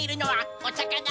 お茶かな？